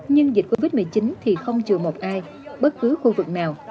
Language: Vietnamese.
nhưng dịch covid một mươi chín thì không chừa một ai bất cứ khu vực nào